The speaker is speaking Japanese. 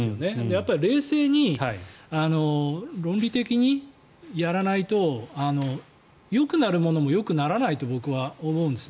やっぱり冷静に論理的にやらないとよくなるものもよくならないと僕は思うんです。